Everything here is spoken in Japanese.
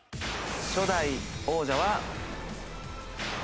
初代王者は。